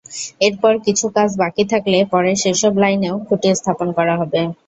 এরপর কিছু কাজ বাকি থাকলে পরে সেসব লাইনেও খুঁটি স্থাপন করা হবে।